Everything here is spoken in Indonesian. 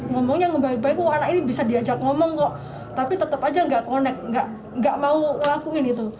ngomongnya ngebaik baik kok anak ini bisa diajak ngomong kok tapi tetap aja nggak connect nggak mau ngelakuin itu